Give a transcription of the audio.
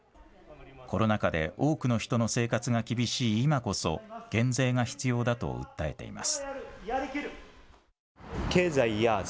コロナ禍で多くの人の生活が厳しい今こそ、減税が必要だと訴えています。